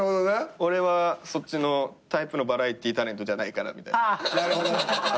俺はそっちのタイプのバラエティータレントじゃないからみたいな。